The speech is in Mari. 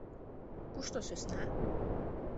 — Кушто сӧсна?